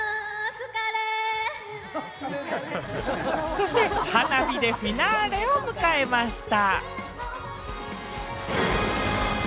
そして花火でフィナーレを迎えました。